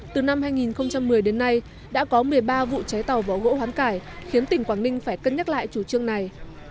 từ năm hai nghìn một mươi đến nay đã có một mươi ba vụ cháy tàu vỏ gỗ hoán cải khiến tỉnh quảng ninh phải cân nhắc lại chủ trương này